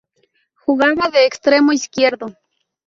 Jugaba de Extremo izquierdo.